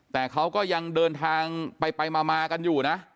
แต่เขาก็ยังเดินทางไปมากันอยู่นะ